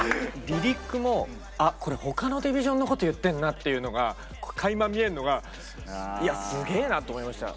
リリックも「あこれ他のディビジョンのこと言ってんな」っていうのがかいま見えんのが「いやすげえな」と思いました。